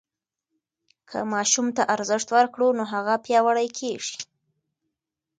که ماشوم ته ارزښت ورکړو نو هغه پیاوړی کېږي.